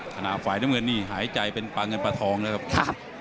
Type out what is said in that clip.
ขณะฝ่ายน้ำเงินนี่หายใจเป็นปลาเงินปลาทองนะครับ